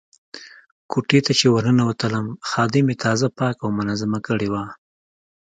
کوټې ته چې ورننوتلم خادمې تازه پاکه او منظمه کړې وه.